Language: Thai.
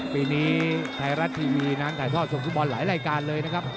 ปีนี้ไทยรัฐทีวีนั้นถ่ายทอดส่งฟุตบอลหลายรายการเลยนะครับ